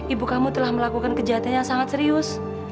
ibu kamu telah melakukan kejahatan yang sangat serius